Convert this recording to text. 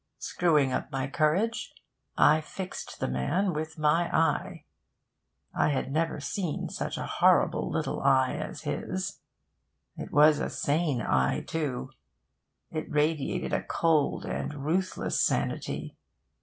Screwing up my courage, I fixed the man with my eye. I had never seen such a horrible little eye as his. It was a sane eye, too. It radiated a cold and ruthless sanity.